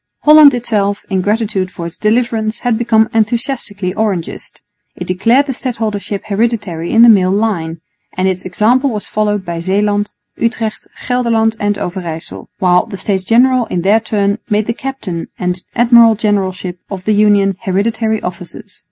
Holland itself, in gratitude for its deliverance, had become enthusiastically Orangist. It declared the stadholdership hereditary in the male line, and its example was followed by Zeeland, Utrecht, Gelderland and Overyssel, while the States General in their turn made the captain and admiral generalship of the Union hereditary offices.